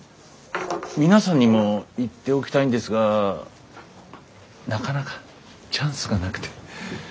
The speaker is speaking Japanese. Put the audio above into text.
皆さんにも言っておきたいんですがなかなかチャンスがなくて。